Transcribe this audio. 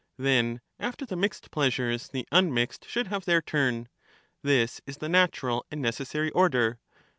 Then after the mixed pleasures the unmixed should After the have their turn ; this is the natural and necessary order.